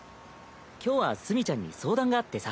今日は墨ちゃんに相談があってさ。